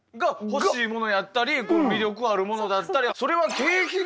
欲しいものやったり魅力あるものだったりアハハハ。